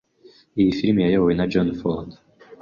Iyi filime yayobowe na John Ford.